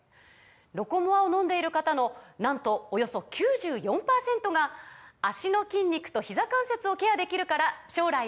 「ロコモア」を飲んでいる方のなんとおよそ９４％が「脚の筋肉とひざ関節をケアできるから将来も安心！」とお答えです